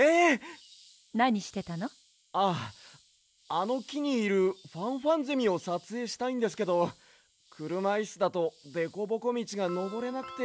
あのきにいるファンファンゼミをさつえいしたいんですけどくるまイスだとデコボコみちがのぼれなくて。